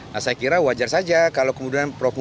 saya kira wajar saja kalau kemudian prof muhajir